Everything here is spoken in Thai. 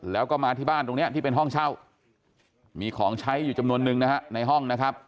แล้วก็มาที่บ้านตรงนี้ที่เป็นห้องเช่ามีของใช้อยู่จำนวนนึงนะฮะในห้องนะครับ